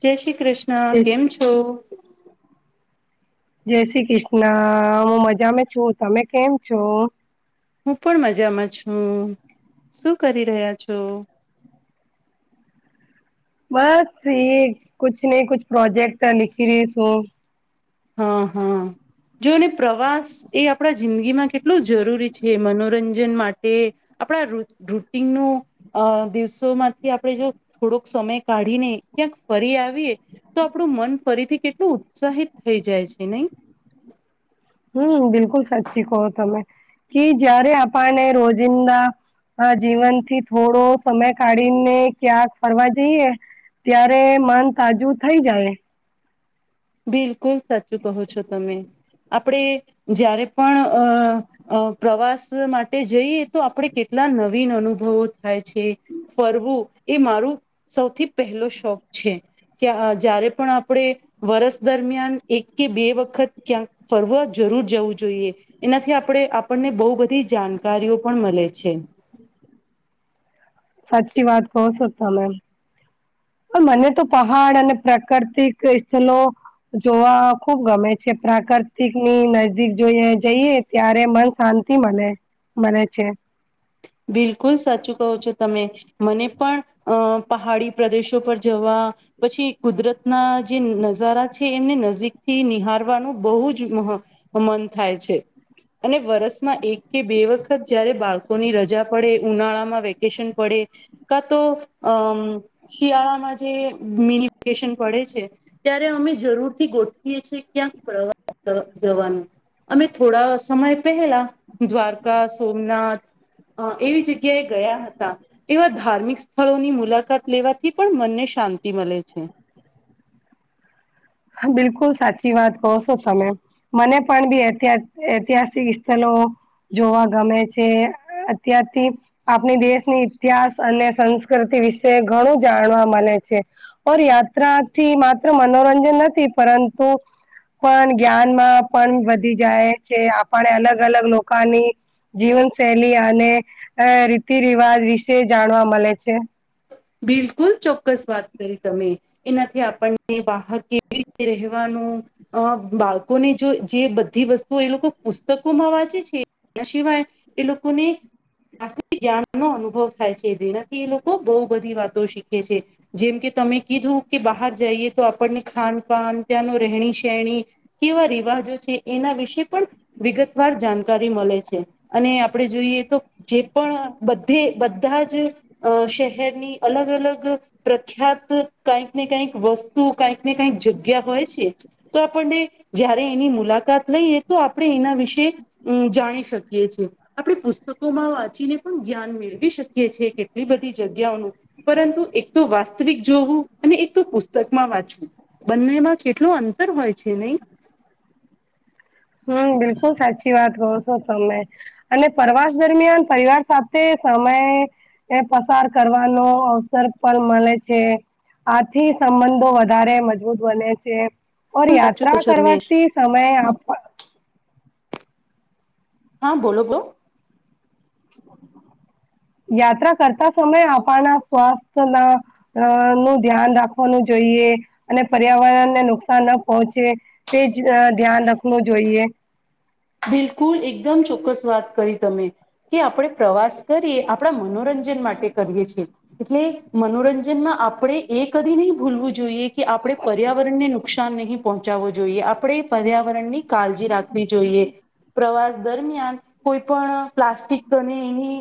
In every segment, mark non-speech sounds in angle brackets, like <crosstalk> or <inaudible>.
જય શ્રી કૃષ્ણ જય કેમ છો. જય શ્રી કૃષ્ણ હું મજા છું તમે કેમ છો. હું પણ મજામાં છું શું કરી રહ્યા છો. બસ એ કછ નહી કછ પ્રોજેક્ટ લિખી રહીશું. હા હા જોને પ્રવાસ એ આપણા જિંદગી માં કેટલું જરૂરી છે મનોરંજન માટે. આપણા રૂટન ન. અ દિવસોમાંથી આપણે જો થોડોક સમય કાઢીને ક્યાંક ફરી આવીએ. તો આપણું મન ફરીથી કેટલું ઉત્સાહિત થઈ જાય છે નહી. હમ બિલકુલ સાચી કહો તમે કે જયારે આપણને રોજિંદા. હા જીવનથી થોડો સમય કાઢીને ક્યાં ફરવા જઈએ. ત્યારે મન તાજું થઈ જાય. બિલકુલ સાચું કહો છો તમે આપડ જારે પણ અ. અ પ્રવાસ માટે જઈએ તો આપણે કેટલા નવીન અનુભવો થાય છે. ફરવું એ મારું સૌથી પહેલો શોખ છે. કે જ્યારે પણ આપણે. વરસ દરમિયાન એક કે બે વખત ક્યાંક ફરવા જરૂર જવું જોઈએ. એનાથી આપણે આપણને બહુ બધી જાણકારીઓ પણ મળે છે. સાચી વાત કણ સોતા મેમ. મને તો પહાડ અને પ્રાકૃતિક સ્થળ. જોવા ખુબ ગમે છે પ્રાકૃતિકની નજદીક જોઈએ જઈએ. ત્યારે મન શાંતિ મને મને છે. બિલકુલ સાચું કહો છો તમે. મને પણ અ પહાડી પ્રદેશો પર જવા. પછી કુદરતના જે નજારા છે એમને નજીકથી નિહાારવાનું બહુ જ મહ. મન થાય છે અને વરસમાં એક કે બે વખત જયારે બાળકોની રજા. ઉજા પડે ઉનાળામાં વેકેશન પડે કા તો અ. શિયાળામાં જે મિલીિકેશન પડે છે. ત્યારે અમે જરૂર થી ગોઠવીએ છીએ ક્યાંક પ્રવાસ જવાનું. અમે થોડા સમય પહેલા દ્વારકા સોમનાથ. અ એવી જગ્યાએ ગયા હતા. એવા ધાર્મિક સ્થળોની મુલાકાત લેવાથી પણ મનને શાંતિ મળે છે. ા બિલકુલ સાચી વાત કહો છો તમે. મને પણ બી ઐતિહાસિક સ્થળ. જોવા ગમે છે અત્યારથી. આપણી દેશની ઇતિહાસ અને સંસ્કૃતિ વિશે ઘણું જાણવા મળે છે. ઓર યાત્રાથી માત્ર મનોરંજન નથી પરંતુ. પણ જ્ઞાન માં પણ વધી જાય છે આપણે અલગ અલગ લોકોની. જીવન શૈલી અને રીતિ રિવાજ વિશે જાણવા મળે છે. બિલકુલ ચોક્કસ વાત કરી તમે. એનાથી આપણને બહાર કેવી રીતે રહેવાનું. અ બાળકોની જો જે બધી વસ્તુઓ એ લોકો પુસ્તકો માં વાંચે છે. એ સિવાય એ લોકોની. જાણ નો અનુભવ થાય છે જેનાથી એ લોકો બહુ બધી વાતો શીખે છે. જેમ કે તમે કીધું કે બહાર જઈએ તો આપણને ખાન પાાન ત્યાંનું રહેણી શહેણી. કેવા રિવાજો છે એના વિશે પણ વિગતવાર જાણકારી મળે છે. અને આપણે જોઈએ તો જે પણ બધે બધા જ શ. ેરની અલગ અલગ. પ્રખ્યાત કઈક ને કઈક વસ્તુ કઈક ને કઈક જગ્યા હોય છે. તો આપણને જય્યારે એની મુલાકાત લઈએ તો આપણે એના વિશે. હમ જાણી શકીએ છીએ. આપણે પુસ્તકોમાં વાંચીને પણ જ્ઞાન મેળવી શકીએ છીએ કેટલી બધી. જગ્યાનું પરંતુ એક તો વાસ્તવિક જોવું અને એક તો પુસ્તકમાં વાંચવું. બંનેમાં કેટલું અંતર હોય છે નહી હમ બિલકુલ સાચી વાત કરો છો તમે અને પરવાસ દરમિયાન પરિવાર સાથે સમય એ પસાર કરવાનો અવસર પણ મળે છે આથી સંબંધો વધારે મજબૂત બને છે ઓર સાચું કહો યાત્રા છો તમે કરવાથી સમય આપવા હા બોલો બોલો યાત્રા કરતા સમયે આપણા સ્વાસ્થના અ નું ધ્યાન રાખવાનું જોઈએ અને પર્યાવરણને નુકસાન ન પહોંચે તે જ ધ્યાન રાખવું જોઈએ બિલકુલ એકદમ ચોક્કસ વાત કરી તમે કે આપણે પ્રવાસ કરીએ આપણા મનોરંજન માટે કરીએ છીએ એટલે મનોરંજનમાં આપણે એ કદી નહી ભૂલવું જોઈએ કે આપણે પર્યાવરણને નુ નુકસાન નહીં પહોંચાવું જોઈએ આપણેે પર્યાવરણ ની કાળજી રાખવી જોઈએ પ્રવાસ દરમિયાન કોઈ પણ પ્લાસ્ટિક એની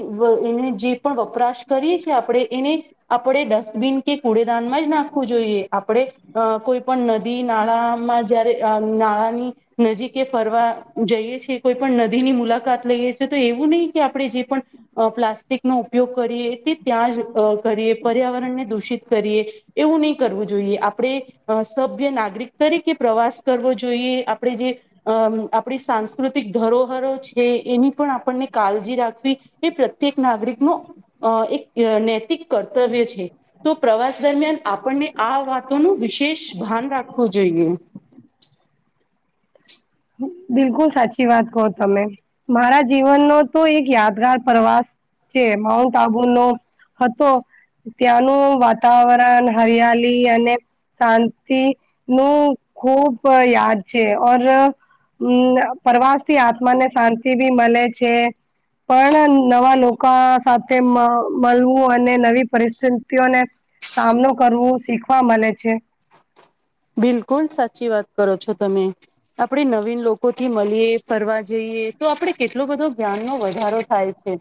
એને જે પણ વપરાશ કરીએ છીએ આપણે એને આપણે ડસ્ટબિન કે કુડેદાનમાં જ નાખવું જોઈએ આપણે અ કોઈ પણ નદી નાળામાં જયારે નાળાની નજીકે ફરવા જઈએ કોઈ પણ નદી ની મુલાકાત લઈએ છીએ તો એવું નહીિ કે આપણે જે પણ અ પ્લાસ્ટિકનો ઉપયોગ કરીએ તે ત્યાં જ કરીએ પર્યાવરણને દૂષિત કરીએ એવું નહી કરવું જોઈએ આપણે અ સભ્ય નાગરિક તરીકે પ્રવાસ કરવો જોઈએ આપણે જે અ આપણી સા પ્રાકૃતિક ધરોહરો છે એની પણ આપણને કાળજી રાખવી એ પ્રત્યેક નાગરિકનો અ એક નૈતિક કર્તવ્ય છે તો પ્રવાસ દરમિયાન આપણને આ વાતોનું વિશેષ ભાન રાખવું જોઈએ બિલકુલ સાચી વાત કહો તમે મારા જીવનનો તો એક યાદગાર પ્રવાસ જે માઉન્ટ આબુ નો હતો ત્યાંનું વાતાવરણ હરિયાલી અને શાંતિ નું ખુબ યાદ છે ઓર હમ પ્રવાસ થી આત્માને શાંતિ ભી મલે છે પણ નવા લોકો સાથે મધ મળવું અને નવી પરિસ્થિતિઓને સામનો કરવો શીખવા મલે છે. બિલકુલ સાચી વાત કરો છો તમે આપણે નવીન લોકો થી મળીએ ફરવા જઈએ તો આપડે કેટલો બધો જ્ઞાન નો વધારો થાય છે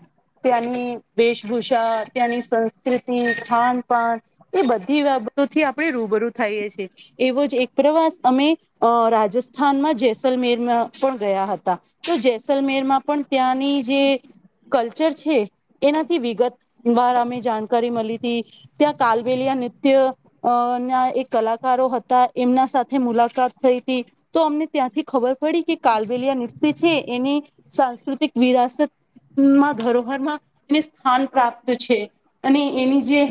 ત્યાં નીવેશભૂષા ત્યાં સંસ્કૃતિ ખાનપાન એ બધી બાબતોથી આપડણે રૂબરૂ થઈએ છેએ એવો જ એક પ્રવાસ અમે અ રાજસ્થાનમાં જેૈસલમેરમાં પણ ગયા હતા તો જેૈસલમેર માં પણ ત્યાંની જે કલ્ચર છે. એનાથી વિગત વાર અમે જાણકારી મલી હતી ત્યાં કાલબલિયા નૃત્ય અ ના એક કલાકારો હતા ત એમના સાથે મુલાકાત થઈ હતી તો અમને ત્યાંથી ખબર પડી કે કાલબલિયા નિતય છે એની સાંસ્કૃતિક વિરાસત માં ધરોહરમાં એને સ્થાન પ્રાપ્ત છે અને એની જે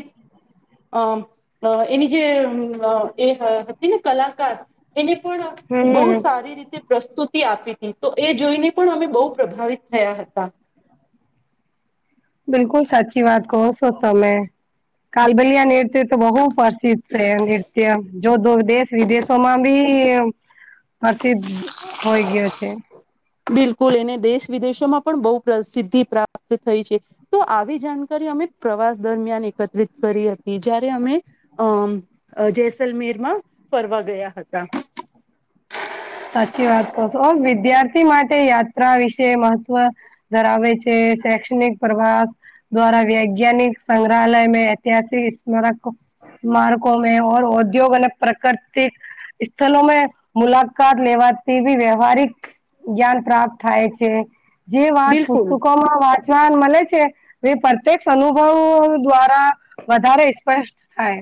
અ અ એની જે અ એ હતી ને કલાકાર એને પણ બહુ હમ સારી રીતે પ્રસ્તુતિ આપી હતી તો એ જોઈને પણ અમે બહુ પ્રભાવિત થયા હતા બિલકુલ સાચી વાત કહો છો તમેં કાલબલિયા નૃત્ય તો બહુ પ્રસિદ્ધ છે નૃત્ય જો દુર દેશ વિદેશોમાં બી પ્રસિદ્ધ હોય ગયો છે બિલકુલ એને દેશ વિદેશોમાં પણ બહુ પ્રસિદ્ધિ પ્રાપ્ત થઈ છે તો આવી જાણકારી અમે પ્રવાસ દરમિયાન એકત્રિત કરી હતી જ્યારે અમે. અમ જેૈસલમેરમાં ફરવા ગયા હતા. સાચી વાત કહ છો ઓ વિદ્યાર્થી માટે યાત્રા વિશે મહત્વ, ધરાવે છે શૈક્ષણિક પ્રવાસ. દ્વારા વૈજ્ઞાનિક સંગ્રહાલય મે ઐતિહાસિક સ્મરક માર્ગો મે ઉઔદ્યોગ અને પ્રકતિક સ્થળો મે મુલાકાત. કાર લેવા તેવી વ્યવહારિક જ્ઞાન પ્રાપ્ત થાય છે. જે વાત બિલકુલ પુસ્તકો માં વાંચવાન મળે છે. એ પ્રત્યક્ષ અનુભવો દ્વારા વધારે સ્પષ્ટ થાય.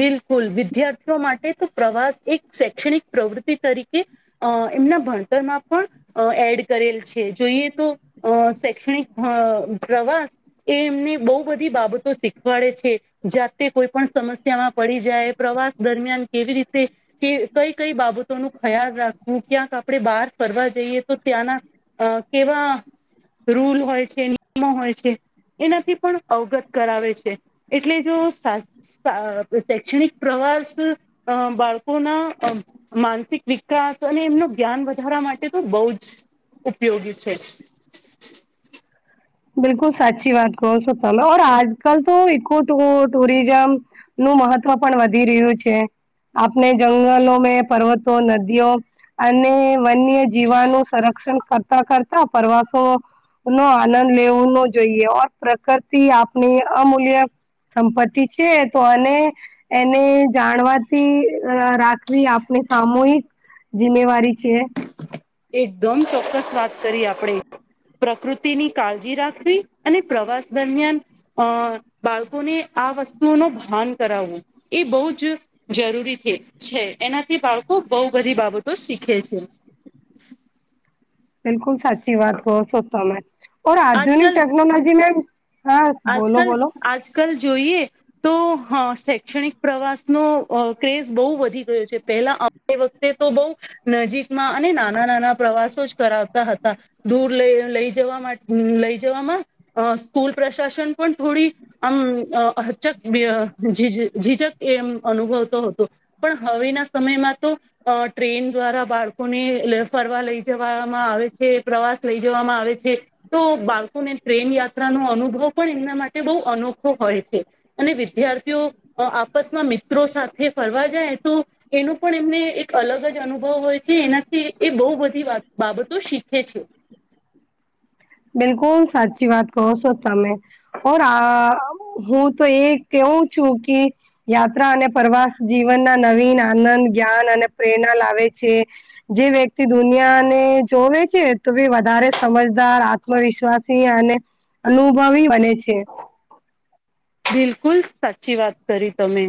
બિલકુલ વિદ્યાર્થીઓ માટે તો પ્રવાસ એક શૈક્ષણિક પ્રવૃત્તિ તરીકે, અ એમના ભણતરમાં પણ, અ એડ કરેલ છે જોઈએ તો અ શૈક્ષણિક પ્રવાસ. એ એમને બહુ બધી બાબતો શીખવાડે છે જાતે કોઈ પણ સમસ્ય યામાં પડી જાય પ્રવાસ દરમિયાન કેવી રીતે. કે કઈ કઈ બાબતો ન ખ્યાલ રાખવું ક્યાંક આપણે બહાર ફરવા જઈએ તો ત્યાંના અ કેવા રૂલ હોય છે, નિયમો હોય છે. એનાથી પણ અવગત કરાવે છે એટલે જો સા શૈક્ષણિક પ્રવાસ બાળકોના માનસિક વિકાસ અને એમનું જ્ઞાન વધારવા માટે તો બઉ જ. ઉપયોગી છે. બિલકુલ સાચી વાત કહો <inaudible> આજ કલ તો ઇકો ટ ટુરિઝમ. નું મહત્વ પણ વધી રહ્યું છે. આપને જંગલો મેં પર્વતો, નદીઓ અને વન્ય જીવાનું સંરક્ષણ કરતા કરતા પ્રવાસો નો આનંદ. લેવું ન જોઈએ ઓર પ્રકતિ આપણી અમૂલ્ય. સંપત્તિ છે તો અને, એને જાણવાથી રાખવી આપણે સામૂહિક. જિમ્મેવારી છે. એકદમ ચોક્કસ વાત કરી આપણેે. પ્રકૃતિની કાળજી રાખવી અને પ્રવાસ દરમિયાન. અ બાળકોને આ વસ્તુઓ ભાન કરાવવું એ બહુ જ જરૂરી થ છે એનાથી બાળકો બહુ બધી બાબતો શીખે છે. <inaudible> બિલકુલ સાચી વાત હકો છો તમે ઓર આધુનિક ટેકનોલોજી મે હા આજ બોલો કલ બોલો આજ કલ જોઈએ. તો હ શૈક્ષણિક પ્રવાસનો ક્રેઝ બહુ વધી ગયો છે પેલા એ વખતે તો બહુ નજીકમાં અને નાના નાના પ્રવાસો જ કરાવતા હતા. દૂર લઈ લઈ જવા લઈ જવામાં સ્કૂલ પ્રશાસન પણ થોડી આમ હચક જીજક એમ અનુભવતો હતો. પણ હવેના સમયમાં તો. અ ટ્રેન દ્વારા બાળકોને ફરવા લઈ જવામાં આવે છે પ્રવાસ લઈ જવામાં આવે છે. તો બાળકોને ટ્રેન યાત્રાનો અનુભવ પણ એમના માટે બહુ અનોખો હોય છે. અને વિદ્યાર્થીઓ આપસમાં મિત્રો સાથે ફરવા જાય તો એનો પણ એમને એક અલગ જ અનુભવ હોય છે એનાથી એ બહુ બધી બાબતો શીખે છે. બિલકુલ સાચી વાત કહો છો તમે. ઓ આ હું તો એ કેવું છું કે, યાત્રા અને પ્રવાસ જીવનના નવીન આનંદ, જ્ઞાન અને પ્રેરણા લાવે છે. જે વ્યક્તિ દુનિયાને જોવે છે તો ભી વધારે સમજદાર આત્મવિશ્વાસી અને અનુભવી બને છે. બિલકુલ સાચી વાત કરી તમે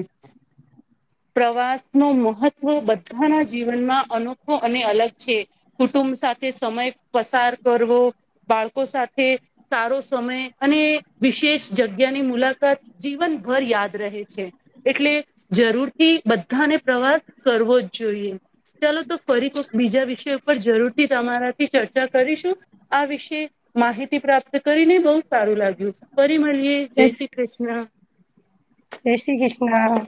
પ્રવાસ નુ મહત્ત્વ બધાના જીવનમાં અનોખો અને અલગ છે. કુટુંબ સાથે સમય પસાર કરવો બાળકો સાથે સારો સમય અને વિશેષ જગ્યાની મુલાકાત જીવનભર યાદ રહે છે એટલે જરૂર થી બધાને પ્રવાસ કરવો જ જોઈએ ચાલો તો ફરી બીજા વિષય ઉપર જરૂર થી તમારાથી ચર્ચા કરીશું આ વિશે માહિતી પ્રાપ્ત કરીને બહુ સારું લાગ્યું પરિ મલિએે જય શ્રી કૃષ્ણ જય શ્રી કૃષ્ણ